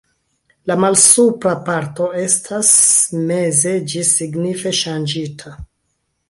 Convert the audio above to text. La malsupra parto estas meze ĝis signife ŝanĝita.